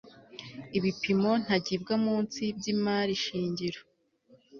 bipimo ntagibwamunsi by imari shingiro